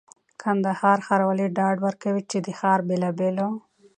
کندهار ښاروالي ډاډ ورکوي چي د ښار د بېلابېلو